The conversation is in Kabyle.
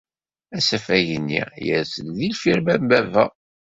Asafag-nni yers-d deg lfirma n baba.